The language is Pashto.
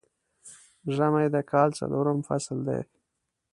ژمی د کال څلورم فصل دی